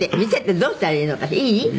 「どうしたらいいのかしら？いい？」